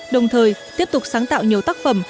đồng thời tiếp tục sáng tạo nhiều tác phẩm